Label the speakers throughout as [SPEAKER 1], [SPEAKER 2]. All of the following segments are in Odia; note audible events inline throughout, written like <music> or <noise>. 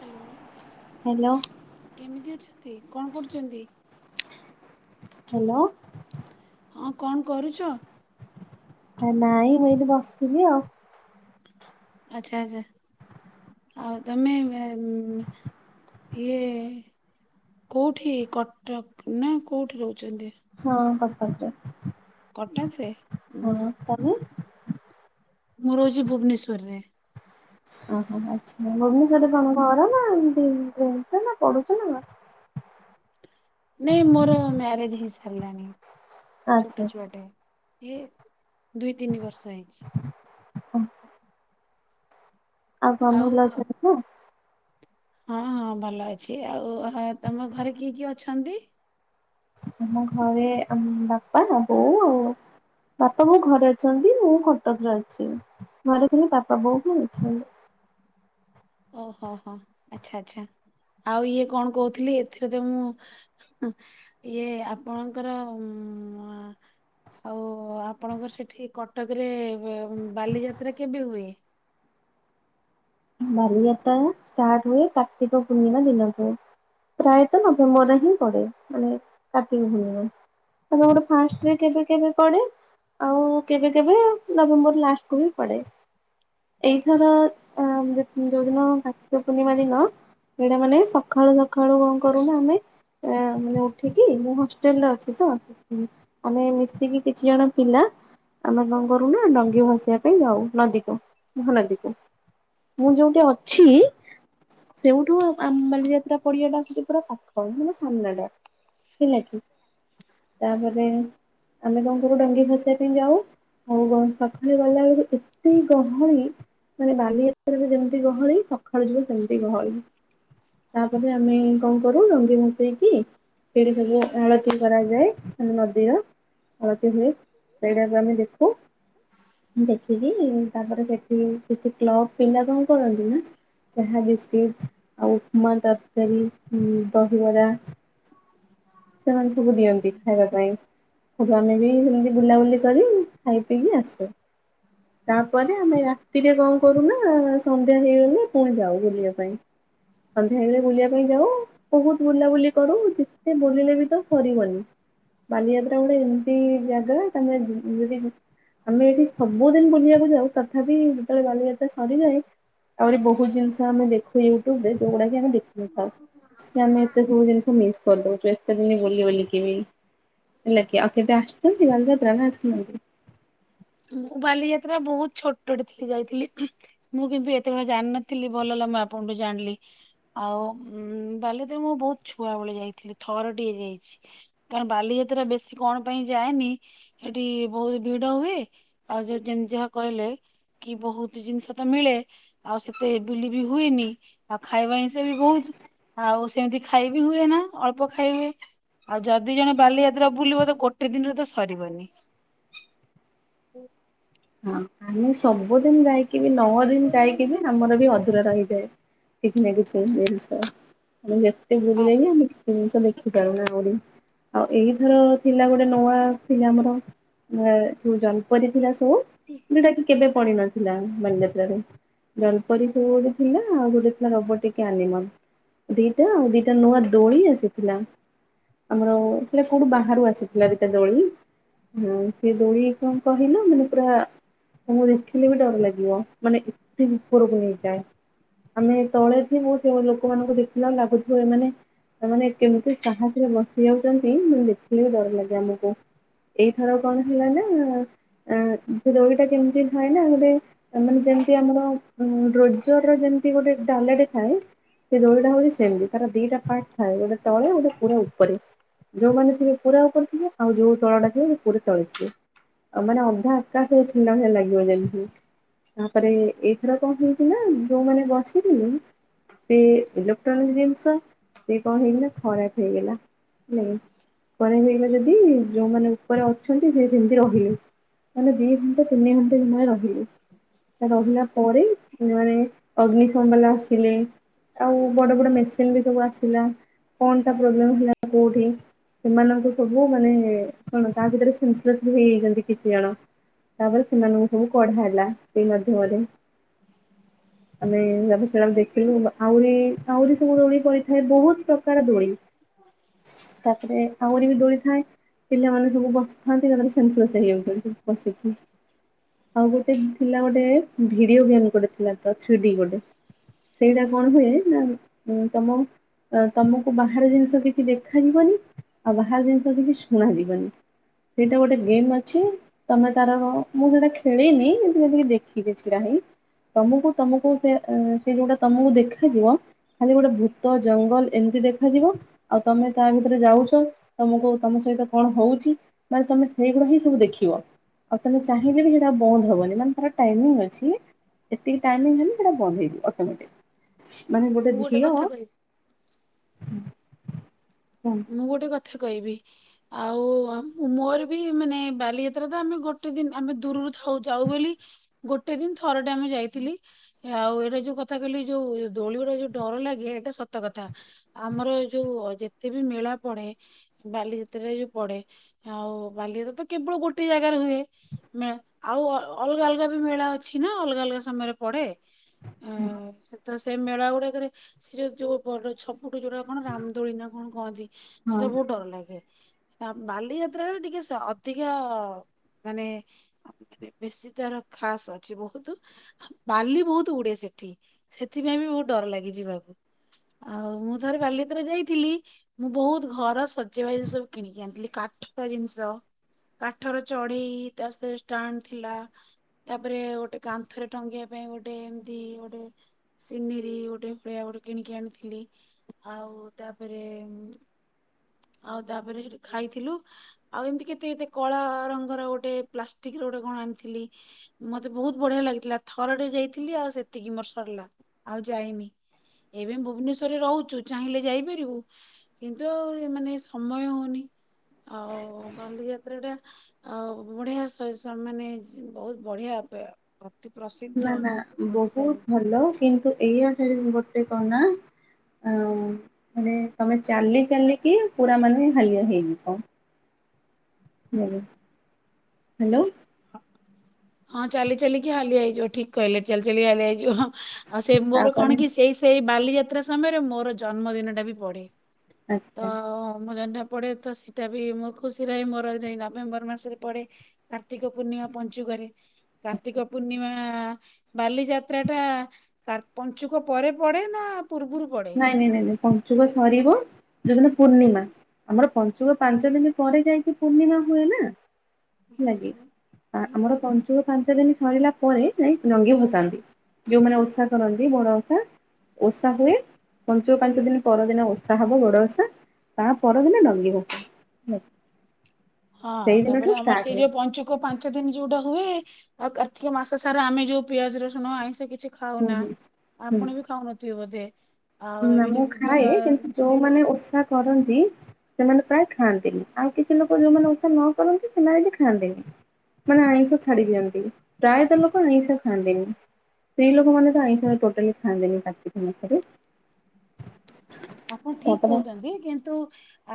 [SPEAKER 1] ହାଲୋ
[SPEAKER 2] ହ୍ୟାଲୋ
[SPEAKER 1] କେମିତି ଅଛନ୍ତି କଣ କରୁଚନ୍ତି?
[SPEAKER 2] ହାଲୋ।
[SPEAKER 1] ହଁ କଣ କରୁଚ?
[SPEAKER 2] ହେ ନାଇଁ ମୁଁ ଏଠି ବସତିଲି ଆଉ।
[SPEAKER 1] ଆଚ୍ଛା ଆଚ୍ଛା। ଆଉ ତମେ ମେ ମେ ଇଏ କୋଉଠି କଟକ ନା କୋଉଠି ରହୁଚନ୍ତି?
[SPEAKER 2] ହଁ କଟକରେ।
[SPEAKER 1] କଟକରେ
[SPEAKER 2] ହଁ
[SPEAKER 1] ଉୁଁହୁଁ।
[SPEAKER 2] <unintelligible>
[SPEAKER 1] ମୁଁ ରହୁଚି ଭୁବନେଶ୍ୱର ରେ।
[SPEAKER 2] ଓହୋ ଆଚ୍ଛା ଭୁବନେଶ୍ବରରେ କଣ ଘର ନା ଏମିତି ରହୁଚ ନା ପଢୁଚ ନା କଁ?
[SPEAKER 1] ନେଇଁ ମୋର ମ୍ୟାରେଜ୍ ହେଇ ସାରିଲାଣି
[SPEAKER 2] ଆଚ୍ଛା
[SPEAKER 1] ଛୋଟ
[SPEAKER 2] ଆଚ୍ଛା
[SPEAKER 1] ଛୁଆଟେ। ହେ ଏ ଦୁଇ, ତିନି ବର୍ଷ ହେଇଚି।
[SPEAKER 2] ଓ। ଆଉ କଁ ଭଲ ଅଛ <unintelligible> ତ?
[SPEAKER 1] ହଁ ହଁ ଭଲ ଅଛି ଆଉ ହଁ ତମ ଘରେ କିଏ କିଏ ଅଛନ୍ତି?
[SPEAKER 2] ଆମ ଘରେ ଆମ ବାପା ବୋଉ ଆଉ ବାପା ବୋଉ ଘରେ ଅଛନ୍ତି ମୁଁ କଟକରେ ଅଛି ଘରେ ଖଲି ବାପା ବୋଉକୁ ରହିଛନ୍ତି
[SPEAKER 1] ଓହୋ ହୋ ଆଚ୍ଛା ଆଚ୍ଛା ଆଉ ଇଏ କଣ କହୁଥିଲି ଏଥିରେ ତ ମୁଁ। ହଁ ଇଏ ଆପଣଙ୍କର ଉଁ ଆ। ଆଉ ଆପଣଙ୍କର ସେଠି କଟକରେ ବ ମ ବାଲିଯାତ୍ରା କେବେ ହୁଏ?
[SPEAKER 2] ବାଲିଯାତ୍ରା ଆ ଷ୍ଟାର୍ଟ ହୁଏ କାର୍ତିକ ପୂର୍ଣିମା ଦିନଠୁ। ପ୍ରାୟତ ନଭେମ୍ବରରେ ହିଁ ପଡେ ମାନେ କାର୍ତ୍ତିକ ପୂର୍ଣ୍ଣିମା। କେବେ ଗୋଟେ ଫାର୍ଷ୍ଟରେ କେବେ କେବେ ପଡେ। ଆଉ କେବେ କେବେ ନଭେମ୍ବର ଲାଷ୍ଟକୁୁ ବି ପଡେ ଏଇଥର ଅମ ଜ-ଯୋଉଦିନ କାର୍ତ୍ତିକ ପୂର୍ଣ୍ଣିମା ଦିନ ସେଇଟା ମାନେ ସକାଳୁ ସକାଳୁ କଣ କରୁନା ଆମେ ମାନେ ଉଠିକି ମୁଁ ହଷ୍ଟେଲରେ ଅଛି ତ ଆମେ ଏଇ ମିଶିକି କିଛି ଜଣ ପିଲା ଆମେ କ କରୁନା ଡଙ୍ଗି ଭସେଇବା ପାଇଁ ଯାଉ ନଦୀ କୁ ମହାନଦୀ କୁ। ମୁଁ ଯୋଉଠି ଅଛି। ସେଇଠୁ ଆମ ବାଲିଯାତ୍ରା ପଡିିଆଟା ହଉଛି ପୁରା ପାଖ ମାନେ ସାମ୍ନା ଟା। ହେଲା କି ତାପରେ ଆମେ କଣ କରୁ ଡଙ୍ଗି ଭସେଇ ପାଇଁ ଯାଉ। ଆଉ ପାଖରେ ଗଲା ବେଳକୁ ଏତେ ଗହଳି ମାନେ ବାଲି ରେ ବି ଯେମିତି ଗହଳି ସକାଳୁ ଯିବ ସେମିତି ଗହଳି। ତାପରେ ଆମେ କଣ କରୁ ଡଙ୍ଗୀ ଭସେଇକି। ସେଇଠି ସବୁ ଆଳତି କରାଯାଏ ମାନେ ନଦୀର। ଆଳତି ହୁଏ ସେଇଟାକୁ ଆମେ ଦେଖୁ। ଦେଖିକି ତାପରେ ସେଠି କିଛି କ୍ଲବ ପିଲା କଣ କରନ୍ତି ନା ଚାହା, ବିସ୍କିଟ୍ ଆଉ ଉପମା ତରକାରୀ, ଉଁ ଦହିବରା ସେମାନ ସବୁ ଦିଅନ୍ତି ଖାଇବା ପାଇଁ। ଆଉ ଆମେ ବି ସେମିତି ବୁଲାବୁଲି କରି ଖାଇ ପିଇକି ଆସୁ। ତାପରେ ଆମେ ରାତିରେ କଣ କରୁନା ସନ୍ଧ୍ୟା ହେଇଗଲେ ପୁଣି ଯାଉ ବୁଲିବା ପାଇଁ। ସନ୍ଧ୍ୟା ହେଇଗଲେ ବୁଲିବା ପାଇଁ ଯାଉ। ବହୁତ ବୁଲାବୁଲି କରୁ ଯେତେ ବୁଲିଲେ ବି ତ ସରିବନି। ବାଲିଯାତ୍ରା ଗୋଟେ ଏମିତି ଜାଗା ତମେ ଯଦି ଆମେ ଏଠି ସବୁ ବହୁତ ଦିନ ବୁଲିବାକୁ ଯାଉ ତଥାପି ଯେତେବେଳେ ବାଲିଯାତ୍ରା ସରିଯାଏ ଆହୁରି ବହୁତ ଜିନିଷ ଆମେ ଦେଖୁ ୟୁଟ୍ୟୁବ ରେ ଯୋଉଗୁଡ଼ା କି ଆମେ ଦେଖିନଥାଉ କି ଆମେ ଏତେ ସବୁ ଜିନିଷ ମିସ୍ କରିଦଉଛୁ ଏତେ ଦିନ ବୁଲି ବୁଲିକି ବି। ହେଲାକିି ଆଉ କେବେ ଆସିଛନ୍ତି ବାଲ ଯାତ୍ରା ନା ଆସି ନାହାନ୍ତି?
[SPEAKER 1] ମୁଁ ବାଲିଯାତ୍ରା ବହୁତ ଛୋଟ ଟେ ଥିଲି ଯାଇଥିଲି। ମୁଁ କିନ୍ତୁ ଏତେ କଥା ଜାଣିନଥିଲି ଭଲ ହେଲା ମୁଁ ଆପଣଠୁ ଜାଣିଲି। ଆଉ ବାଲିଯାତ୍ରା ମୁଁ ବହୁତ ଛୁଆବେଳେ ଯାଇଥିଲି ଥରଟିଏ ଯାଇଛି। କାରଣ ବାଲିଯାତ୍ରା ବେଶି କଣ ପାଇଁ ଯାଏନି ସେଠି ବହୁତ ଭିଡ଼ ହୁଏ। ଆଉ ଯୋଉ ଯେମିତି ଯାହା କହିଲେ କି ବହୁତ ଜିନିଷ ତ ମିଳେ। ଆଉ ସେତେ ଏ ବୁଲି ବି ହୁଏନି ଆଉ ଖାଇବା ଜିନିଷ ବି ବହୁତ ଆଉ ସେମିତି ଖାଇବି ହୁଏ ନା ଅଳ୍ପ ଖାଇ ହୁଏ। ଆଉ ଯଦି ଜଣେ ବାଲିଯାତ୍ରା ବୁଲିବ ତ ଗୋଟେ ଦିନରେ ତ ସରିବନି। ହୁ।
[SPEAKER 2] ହଁ ଆମେ ସବୁଦିନ ଯାଇକି ବି ନଅ ଦିନ ଯାଇକି ବି ଆମର ବି ଅଧୁରା ରହିଯାଏ। କିଛି ନାହିଁ କିଛି ନାହିଁ ଆମେ ଯେତେ
[SPEAKER 1] ଆ
[SPEAKER 2] ବୁଲିଲେ ବି ଆମେ ଜିନିଷ ଦେଖି ପରୁନା ଆହୁରି। ଆଉ ଏଇଥର ଥିଲା ଗୋଟେ ନୂଆ ଥିଲା ଆମର ଯୋଉ ଜ ପଡ଼ିଥିଲା ସବୁ ଯୋଉଟା କି କେବେ ପଡ଼ିନଥିଲା ବାଲିଯାତ୍ରାରେ। ଜଲପରୀ ସବୁ ଗୋଟେ ଥିଲା ଆଉ ଗୋଟେ ଥିଲା ରବଟିକ ଆନିମଲ। ଦିଟା ଆଉ ଦିଟା ନୂଆ ଦୋଳି ଆସିଥିଲା। ଆମର ଥିଲା କୋଉଠୁ ବାହାରୁ ଆସିଥିଲା ଦିଟା ଦୋଳି। ହଁ ସେ ଦୋଳି କଣ କହିଲ ମାନେ ପୁରା ତମକୁ ଦେଖିଲେ ବି ଡ଼ର ଲାଗିବ ମାନେ ଏତେ ଉପରକୁ ନେଇକିଯାଏ। ଆମେ ତଳେ ଥିବୁ ଲୋକମାନଙ୍କୁ ଦେଖିଲା ବେଳେ ଲାଗୁଥିବ ଏମାନେ ସେମାନେ କେମିତି ସାହାସରେ ବସି ଯାଉଛନ୍ତି ମାନେ ଦେଖିଲେ ବି ଡ଼ର ଲାଗେ ଆମକୁ। ଏଇଥର କଣ ହେଲା ନା ସେ ଦୋଳି ଟା କେମିତି ଥାଏ ନା ଗୋଟେ ମାନେ ଯେମିତି ଆମର ଡ୍ରୋରୋଜ ର ଯେମିତି ଗୋଟେ ଡ଼ାଲଟି ଥାଏ। ସେ ଦୋଳିଟା ହଉଛି ସେମିତି ତାର ଦିଟା ପାର୍ଟ ଥାଏ ଗୋଟେ ତଳେ ଗୋଟେ ପୁରା ଉପରେ। ଯୋଉମାନେ ଥିବେ ପୁରା ଉପରେ ଥିବେ ଆଉ ଯୋଉ ତଳଟା ଥେ ସେ ପୁରା ତଳେ ଥିବେ। ଆଉ ମାନେ ପୁରା ଅଧା କା ସହ ଥିଲା ଭଳିଆ ଲାଗିବ ଯେମିତି। ତାପରେ ଏଇଥର କଣ ହେଇଥିଲା ଯୋଉମାନେ ବସିିଥିଲେ ସେ ଇଲେକ୍ଟ୍ରୋନିକ ଜିନିଷ ସେ କଣ ହେଇଗଲା ଖରାପ ହେଇଗଲା, ହେଲାକି? ଉପରେ ହେଇଗଲା ଯଦି ଯୋଉମାନେ ଉପରେ ଅଛନ୍ତି ସେ ସେମିତି ରହିଲେ। ମାନେ ଦି ଘଣ୍ଟେ ତିନି ଘଣ୍ଟେ ସମୟ ରହିଲେ। ରହିଲା ପରେ ମାନେ ଅଗ୍ନିସମ ବାଲା ଆସିଲେ। ଆଉ ବଡ଼ ବଡ଼ ମେସିନ ବି ସବୁ ଆସିଲା କଣଟା ପ୍ରୋବ୍ଲେମ ହେଲା କୋଉଠି? ସେମାନଙ୍କୁ ସବୁ ମାନେ କଣ ତା ଭିତରେ ସେନ୍ସଲେସ ବି ହେଇଯାଇଛନ୍ତି କେତେ କିଛି ଜଣ। ତାପରେ ସେମାନଙ୍କୁ ସବୁ କଢା ହେଲା ସେଇ ମାଧ୍ୟମରେ।
[SPEAKER 1] ହୁଁ।
[SPEAKER 2] ଆମେ-ଆମ ସେ ଦେଖିଲୁ ଆହୁରି -ଆହୁରି ସବୁ ଦୋଳି ପଡ଼ିଥାଏ ବହୁତ ପ୍ରକାର ଦୋଳି।
[SPEAKER 1] ହଁ।
[SPEAKER 2] ତାପରେ ଆଉରି ବି ଦୋଳି ଥାଏ। ପିଲାମାନେ ସବୁ ବସୁଥାନ୍ତି ତାପରେ ସେନ୍ସଲେସ ହେଇଯାଉଛନ୍ତି। ବସିକି ଆଉ ଗୋଟେ ଥିଲା ଗୋଟେ ଭିଡ଼ିଓ ଗେମ୍ ଗୋଟେ ଥିଲା। ଛୁଟି ଗୋଟେ ସେଇଟା କଣ ହୁଏ ନା ତମ ତମକୁ ବାହାର ଜିନିଷ କିଛି ଦେଖାଯିବନି ଆଉ ବାହାର ଜିନିଷ କିଛି ଶୁଣ ଯିବନି। ସେଇଟା ଗୋଟେ ଗେମ୍ ଅଛି ତମେ ତାର ମୁଁ ସେଇଟା ଖେଳିିନି। କ ଦେଖିବି ଛିଟାହିଁ ତମକୁ ତମକୁ ସେ ସେ ଯୋଉଟା ତମକୁ ଦେଖ ଦେଖାଯିବ ଖାଲି ଗୋଟେ ଭୂତ ଜଙ୍ଗଲ ଏମିତି ଦେ ଦେଖାଯିବ ଆଉ ତମେ ତା ଭିତରେ ଯାଉଛ ତମକୁ ତମ ସହିତ କଣ ହଉଛି ମାନେ ତମେ ସେଗୁଡ଼ା ହିଁ ସବୁ ଦେଖିବ। ଆଉ ତମେ ଚାହିଁଲେ ବି ସେଇଟା ବନ୍ଦ ହବନି ମାନେ ତାର ଟାଇମିଂ ଅଛି। ଏତିକି ଟାଇମିଂ ହେଲେ ସେଇଟ ବନ୍ଦ ହେଇଯିବ ଅଟୋମେଟିକ। ମାନେ ଗୋଟେ
[SPEAKER 1] ମୁଁ
[SPEAKER 2] ଝିଅ
[SPEAKER 1] କଥା କହିବି ମୁଁ ଗୋଟେ କଥା କହିବି। ଆଉ ମୋରେ ବି ମାନେ ବାଲିଯାତ୍ରା ତ ଆମେ ଗୋଟେ ଦିନ ଆମେ ଦୂରରୁଥାଉ ଯାଉ ବୋଲି ଗୋଟେ ଦିନ ଥର ଟେ ଆମେ ଯାଇଥିଲି। ଆଉ ଏଇଟା ଯୋଉ କଥା କହିଲି ଯୋଉ ଦୋଳିରେ ଯୋଉ ଡର ଲାଗେ ଏଇଟା ସତ କଥା। ଆମର ଯୋଉ ଯେତେ ବି ମେଳା ପଡେ ବାଲିଯାତ୍ରାରେ ଯୋଉ ପଡେ ଆଉ ବାଲିଯାତ୍ରା ତ କେବଳ ଗୋଟେ ଜାଗାରେ ହୁଏ। ମଳା ଆଉ ଅଲଗା ଅଲଗା ବି ମେଳା ଅଛି ନା ଅଲଗା ଅଲଗା ସମୟରେ ପଡେ। ହ ସେ ତ ସେ ମେଳା ଗୁଡାକରେ ସେ ଯୋଉ ଯୋଉ ଛବୁଠୁ ଯୋଉଟା କଣ ରାମଦୋଳି ନା କଣ କହନ୍ତି ସେଟା ବହୁତ ଡର ଲାଗେ। ବାଲିଯାତ୍ରାରେ ଟିକେ ଅଧିକା ମାନେ ମାନେ ବେଶୀ ତାର ଖାସ ଅଛି ବହୁତ। ବାଲି ବହୁତ ଉଡେ ସେଠି ସେଥିପାଇଁ ବି ବହୁତ ଡର ଲାଗେ ଯିବାକୁ। ଆଉ ମୁଁ ଥରେ ବାଲିଥରେ ଯାଇଥିଲି। ମୁଁ ବହୁତ ଘର ଶଜେଇବା ସବୁ କିଣିକି ଆଣିଥିଲି କାଠକା ଜିନିଷ ପାଠର ଚଢେଇ ତା ସେ ଷ୍ଟାଣ୍ଡ ଥିଲା। ତାପରେ ଗୋଟେ କାନ୍ଥରେ ଟଙ୍ଗେଇବା ପାଇଁ ଗୋଟେ ଏମିତି ଗୋଟେ ସିନେରି ଗୋଟେ ଭଳିଆ ଗୋଟେ କିଣିକି ଆଣିଥିଲି ଆଉ ତା ତାପରେ ଆଉ ତାପରେ ହେଠି ଖାଇଥିଲୁ। ଆଉ ଏମିତି କେତେ କେତେ କଳା ରଙ୍ଗର ଗୋଟେ ପ୍ଲାଷ୍ଟିକର ଗୋଟେ କଣ ଆଣିଥିଲି। ମତେ ବୋହୁତ ବଢିଆ ଲାଗିଥିଲା ଥରଟେ ଯାଇଥିଲି ଆଉ ସେତିକି ମୋର ସରିଲା ଆଉ ଯାଇନି। ଏବେ ମୁଁ ଭୁବନେଶ୍ୱରରେ ରହୁଚୁ ଚାହିଁଲେ ଯାଇପା ରିବୁ କିନ୍ତୁ ମାନେ ସମୟ ହୋଉନି ଆଉ ବାଲିଯାତ୍ରା ଟା ଆଉ ବଢିଆ ସ‌ଏ ସମାନେ ବୋହୁତ ବଢିଆ ପେ ଅତି ପ୍ରସି
[SPEAKER 2] ନାଁ ନାଁ ବୋହୁତ ଭଲ କିନ୍ତୁ ଏଇଆ <unintelligible> ଗୋଟେ କହନା। ଆ ମାନେ ତମେ ଚାଲି ଚାଲିକି ପୁରା ମାନେ ହାଲିଆ ହେଇଯିବ। ହୁଁ ହ୍ୟାଲୋ।
[SPEAKER 1] ହଁ ହଁ ଚାଲି ଚାଲିକି ହାଲିଆ ହେଇଯିବ ଠିକ୍ କହିଲେ ଚାଲି ଚାଲିକା ହାଲିଆ ହେଇଯିବ ହଁ। ଆଉ ସେ ମୋର
[SPEAKER 2] ତାପରେ
[SPEAKER 1] କଣ କି ସେଇ ସେଇ ବାଲିଯାତ୍ରା ସମୟରେ ମୋର ଜନ୍ମଦିନ ଟା ବି ପଢେ।
[SPEAKER 2] ଆଚ୍ଛା
[SPEAKER 1] ତ ମୋ ଜନ୍ମ ପଢେ ତ ସେଟା ବି ମୁଁ ଖୁସି ରହେ ମୋର ଯାଇଁ ନଭେମ୍ବର ମାସରେ ପଡେ। କାର୍ତ୍ତିକ ପୂର୍ଣ୍ଣିମା ପଞ୍ଚୁକରେ କାର୍ତ୍ତିକ ପୂର୍ଣ୍ଣିମା ବାଲିଯାତ୍ରା ଟା ର୍କା ପଞ୍ଚୁକ ପରେ ପଡେ ନା ପୂର୍ବରୁ ପ
[SPEAKER 2] ନାଇଁ ନାଇଁ ନାଇଁ ନାଇଁ ପଞ୍ଚୁକ ସରିବ ଯୋଉଦିନ ପୂର୍ଣିମା ଆମର ପଞ୍ଚୁକ ପାଞ୍ଚ ଦିନ ପରେ ଯାଇକି ପୂର୍ଣ୍ଣିମା ହୁଏ ନା। ହେଲାକି ଆ-ଆମର ପଞ୍ଚୁ ପାଞ୍ଚ ଦିନ ସରିଲା ପରେ ଯାଇ ଜଙ୍ଗି ଭସାନ୍ତି। ଯୋଉମାନେ ଓଷା କରନ୍ତି ବଡ ଓଷା ଓଷା ହୁଏ। ପଞ୍ଚୁକ ପାଞ୍ଚ ଦିନ ପରଦିନ ଓଷା ହବ ବଡ ଓଷା ତା ପରଦିନ ଡଙ୍ଗି ଭସା। ହୁଁ।
[SPEAKER 1] ହଁ ତାପରେ ଆମର ସେଇ ଯୋଉ ପଞ୍ଚୁ କ ପାଞ୍ଚ ଦିନ ଯୋଉଟା ହୁଏ ଆଉ କାର୍ତ୍ତିକ ମାସ ସାରା ଆମେ ଯୋଉ ପିଆଜ ରସୁଣ ଆଇଁଷ କିଛି <unintelligible>
[SPEAKER 2] ହୁଁ
[SPEAKER 1] ଖାଉନା
[SPEAKER 2] ହୁଁ ହୁଁ।
[SPEAKER 1] ଆପଣ ବି ଖାଉନଥିବେ ବୋଧେ। ଆଉ
[SPEAKER 2] ନା
[SPEAKER 1] ଏବେ
[SPEAKER 2] ମୁଁ
[SPEAKER 1] ଯୋଉ
[SPEAKER 2] ଖାଏ
[SPEAKER 1] ବିଧବା
[SPEAKER 2] କିନ୍ତୁ
[SPEAKER 1] ସ୍ତ୍ରୀ ଲୋକ
[SPEAKER 2] ଯୋଉମାନେ ଓଷା କରନ୍ତି। ସେମାନେ ପ୍ରାୟେ ଖାଆନ୍ତିନି ଆଉ କିଛି ଲୋକ ଯେଉଁମାନେ ଓଷା ନ କରନ୍ତି ସେମାନେ ବି ଖାଆନ୍ତିନି। ସେମାନେ ଆଇଁଷ ଛାଡି ଦିଅନ୍ତି। ପ୍ରାୟତଃ ଲୋକ ଆଇଁଷ ଖାଆନ୍ତିନି। ସ୍ତ୍ରୀ ଲୋକମାନେ ତ ଆଇଁଷ ଟୋଟାଲି ଖାଆନ୍ତିନି କାର୍ତ୍ତିକ ମାସରେ।
[SPEAKER 1] ଆପଣ ଠିକ୍
[SPEAKER 2] ତାପରେ
[SPEAKER 1] କୋହୁଚନ୍ତି କିନ୍ତୁ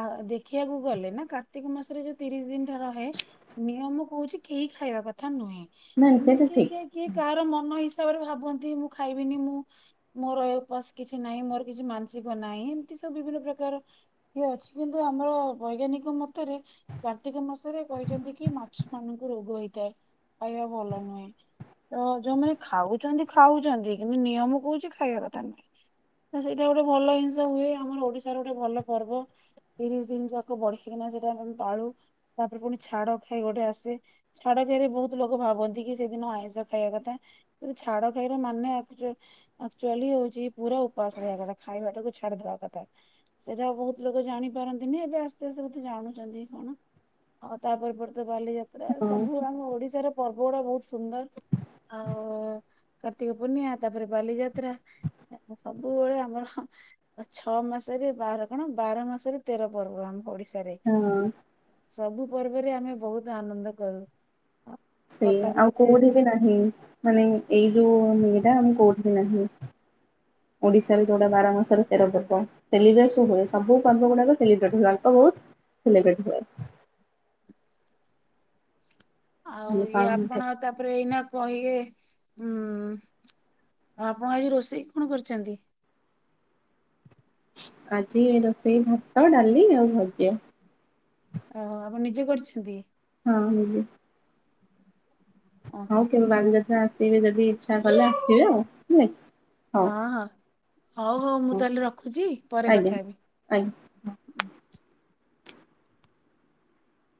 [SPEAKER 1] ଆ ଦେଖିବାକୁ ଗଲେ ନା କାର୍ତ୍ତିକ ମାସରେ ଯୋଉ ତିରିଶ ଦିନଟା ରହେ। ନିୟମ କୋହୁଚି କେହି ଖାଇବା କଥା ନୁହେଁ
[SPEAKER 2] ନାଇଁ
[SPEAKER 1] କିନ୍ତୁ
[SPEAKER 2] ସେଇଟା
[SPEAKER 1] କିଏ
[SPEAKER 2] ଠିକ
[SPEAKER 1] କିଏ କିଏ କାହାର ମନ ହିସାବରେ ଭାବନ୍ତି ମୁଁ ଖାଇବିନି। ମୁଁ ମୋର ଏ ଉପାସ କିଛି ନାହିଁ ମୋର କିଛି ମାନସିକ ନାହିଁ ଏମିତି ସବୁ ବିଭିନ୍ନ ପ୍ରକାର ଇଏ ଅଛି କିନ୍ତୁ ଆମର ବୈଜ୍ଞାନିକ ମତରେ କାର୍ତ୍ତିକ ମାସରେ କହିଚନ୍ତି କି ମାଛ ମାନଙ୍କୁ ରୋଗ ହେଇଥାଏ। ଖାଇବା ଭଲ ନୁହେଁ। ତ ଯୋଉମାନେ ଖାଉଚନ୍ତୀ ଖାଉଚନ୍ତି କିନ୍ତୁ ନିୟମ କୋହୁଚୀ ଖାଇବା କଥା ନୁହେଁ। ତ ସେଇଟା ଗୋଟେ ଭଲ ଜିନିଷ ହୁଏ। ଆମର ଓଡିଶାର ଗୋଟେ ଭଲ ପର୍ବ। ତିରିଶ ଦିନି ଯାକ ବଢିଆ କିନା ସେଟା ଆମେ ପାଳୁ ତାପରେ ଫୁଣି ଛାଡ ଖାଇ ଗୋଟେ ଆସେ। ଛାଡଖାଇ ରେ ବୋହୁତୁ ଲୋକ ଭାବନ୍ତି କି ସେଦିନ ଆଇଁଷ ଖାଇବା କଥା। ଛାଡ ଖାଇର ମାନେ ଆକଚ୍ୟା-ଆକଚ୍ୟାଲି ହୋଉଚି ପୁରା ଉପାସ ରହିବା କଥା। ଖାଇବାଟାକୁ ଛାଡିଦବା କଥା। ସେଟା ବୋହୁତ ଲୋକ ଜାଣିପାରନ୍ତିନି ଏବେ ଆସ୍ତେ ଆସ୍ତେ ବୋଧେ ଜାଣୁଚନ୍ତି କଣ। ଆଉ ତାପରେ ପରେତ ବାଲିଯାତ୍ରା
[SPEAKER 2] ହଁ
[SPEAKER 1] ସବୁ ଆମ ଓଡିଶାର ପର୍ବ ଗୁଡା ବୋହୁତ ସୁନ୍ଦର ଆଉ କାର୍ତ୍ତିକ ପୂର୍ଣ୍ଣିଆ ତାପରେ ବାଲିଯାତ୍ରା। <unintelligible> ସବୁବେଳେ ଆମର ଛଅ ମାସରେ ବାର କଣ ବାର ମାସରେ ତେର ପର୍ବ ଆମ ଓଡିଶା ଶାରେ
[SPEAKER 2] ହଁ
[SPEAKER 1] ସବୁ ପର୍ବରେ ଆମେ ବହୁତ ଆନନ୍ଦ କରୁ। ଆଉ
[SPEAKER 2] ସେଇଆ
[SPEAKER 1] କଟକରେ
[SPEAKER 2] ଆଉ
[SPEAKER 1] ତ ଏ-
[SPEAKER 2] କୋଉଠି ବି ନାହିଁ ମାନେ ଏଇ ଯୋଉ ଇଏଟା ଆମ କୋଉଠି ବି ନାହିଁ। ଓଡ଼ିଶା ରେ ଯୋଉଟା ବାରାମସରେ ତେର ପର୍ବ। ସେଲିବ୍ରେସ୍ ହୁଏ ସବୁ ପର୍ବ ଗୁଡାକ ସେଲିବ୍ରେଟ୍ ହୁଏ ଅଳ୍ପ ବହୁତ ସେଲିବ୍ରେଟ ହୁଏ।
[SPEAKER 1] ଆଉ
[SPEAKER 2] ଆମେ
[SPEAKER 1] ଇଏ
[SPEAKER 2] ପାଳନ
[SPEAKER 1] ଆପଣ ତାପରେ ଏଇନା କଣ ଇଏ ଉଁ ଆଉ ଆପଣ ଏଇ ରୋଷେଇ କଣ କରିଛନ୍ତି?
[SPEAKER 2] ଆଜି ରୋଷେଇ ଭାତ ଡାଲି ଆଉ ଭଜା।
[SPEAKER 1] ଅ ହ ଆପଣ ନିଜେ କରିଛନ୍ତି?
[SPEAKER 2] ହଁ ନିଜେ।
[SPEAKER 1] ଓହୋ।
[SPEAKER 2] ହଉ କେବେ ବାଲିଯାତ୍ରା ଅସିବେ ଯଦି ଇଛା କଲେ ଆସିବେ ଆଉ ହେଲା ହଉ।
[SPEAKER 1] ହଁ ହଁ ହଉ ହଉ ମୁଁ ତାହେଲେ ରଖୁଛି ପରେ
[SPEAKER 2] ଆଜ୍ଞା
[SPEAKER 1] କଥା ହେବି।
[SPEAKER 2] <unintelligible>